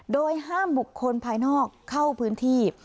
โดยห้ามบุคคลภายนอกเข้าพื้นที่